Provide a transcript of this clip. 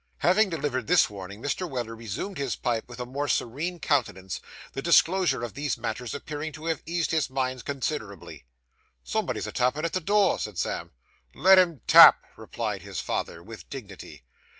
Having delivered this warning, Mr. Weller resumed his pipe with a more serene countenance; the disclosure of these matters appearing to have eased his mind considerably. 'Somebody's a tappin' at the door,' said Sam. 'Let 'em tap,' replied his father, with dignity.